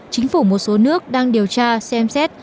chính phủ một số nước đang điều tra xem xét